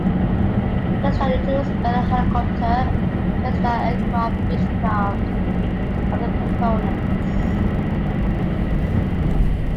Textron includes Bell Helicopter, Cessna Aircraft, Beechcraft, and other components.